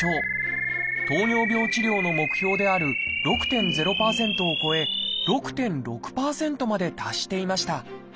糖尿病治療の目標である６．０％を超え６．６％まで達していました。